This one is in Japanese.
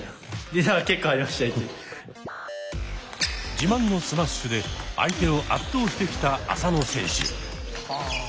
自慢のスマッシュで相手を圧倒してきた浅野選手。